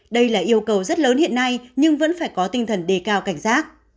đây là yêu cầu rất lớn hiện nay nhưng vẫn phải có tinh thần đề cao cảnh giác